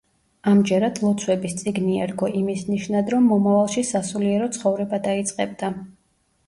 ამჯერად ლოცვების წიგნი ერგო, იმის ნიშნად რომ მომავალში სასულიერო ცხოვრება დაიწყებდა.